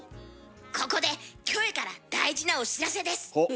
ここでキョエから大事なお知らせです。